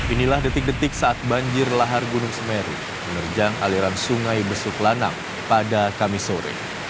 inilah detik detik saat banjir lahar gunung semeru menerjang aliran sungai besuk lanang pada kamis sore